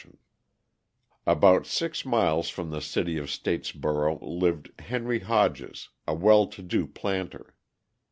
] About six miles from the city of Statesboro lived Henry Hodges, a well to do planter.